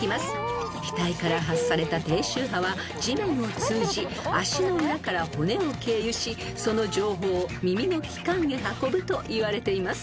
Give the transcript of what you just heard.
［額から発された低周波は地面を通じ足の裏から骨を経由しその情報を耳の器官へ運ぶといわれています］